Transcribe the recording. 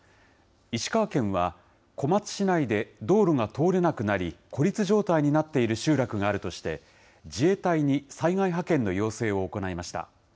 石川県は、小松市内で道路が通れなくなり、孤立状態になっている集落があるとして、自衛隊に災害派遣の要請を行いました。